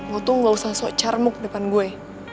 lo tuh gak usah sok cermuk depan gue